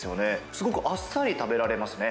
すごくあっさり食べられますね。